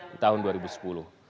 di tahun ke dua